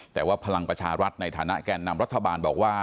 แต่ว่าพลังประชารัฐในฐานะแก่นำรัฐบาลบอกว่า